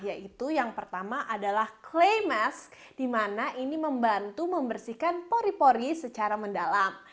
yaitu yang pertama adalah clay mask di mana ini membantu membersihkan pori pori secara mendalam